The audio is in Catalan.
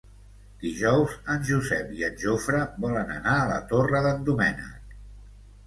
Dijous en Josep i en Jofre volen anar a la Torre d'en Doménec.